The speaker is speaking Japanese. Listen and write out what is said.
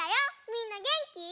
みんなげんき？